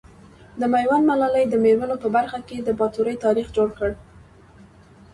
د ميوند ملالي د مېرمنو په برخه کي د باتورئ تاريخ جوړ کړ .